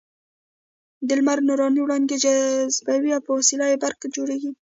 د لمر نوراني وړانګې جذبوي او په وسیله یې برق جوړېږي.